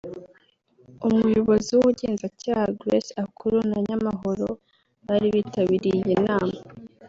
Umuyobozi w’ubugenzacyaha Grace Akullo na Nyamahoro bari bitabiriye iyi nama